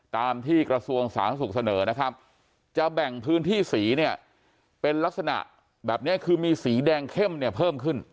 ตามที่กระทรวงสาธารณสุขเสนอนะครับจะแบ่งพื้นที่สีเนี่ยเป็นลักษณะแบบนี้คือมีสีแดงเข้มเนี่ยเพิ่มขึ้น